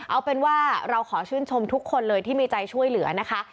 เอาเป็นว่าเราขอชื่นชมทุกคนเลยที่มีใจช่วยเหลือนะคะ